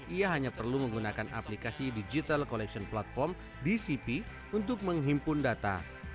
ia hanya perlu menggunakan aplikasi digital collection platform dcp untuk menghimpun data